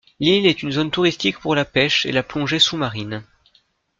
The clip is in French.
L'île est une zone touristique pour la pêche et la plongée sous-marine.